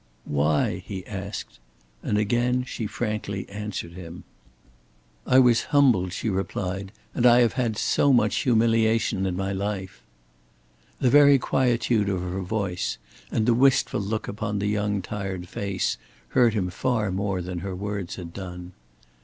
"Why?" he asked; and again she frankly answered him. "I was humbled," she replied, "and I have had so much humiliation in my life." The very quietude of her voice and the wistful look upon the young tired face hurt him far more than her words had done.